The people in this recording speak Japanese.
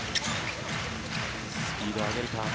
スピードを上げる。